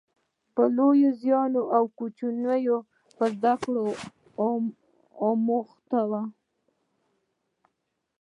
لوی په زیار، کوچنی په زده کړه اموخته و